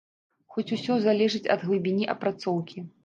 Хоць усё залежыць ад глыбіні апрацоўкі.